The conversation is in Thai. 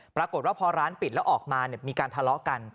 ปรากฏว่าพอร้านปิดแล้วออกมามีการทะเลาะกัน